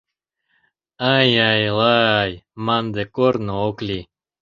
Ай-ай-лай манде корно ок лий